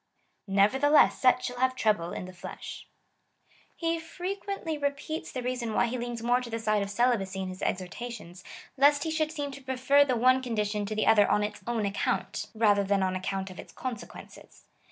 Nevertheless such shall have trouble in the flesh. He fre quently repeats the reason wh}' he leans more to the side of celibacy in his exhortations, lest he should seem to prefer the one condition to the other on its own account, rather than on account of its consequences.